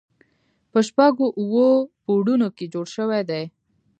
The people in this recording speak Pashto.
په شپږو اوو پوړونو کې جوړ شوی دی.